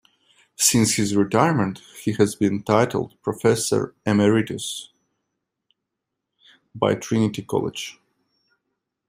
Since his retirement he has been titled "Professor Emeritus" by Trinity College.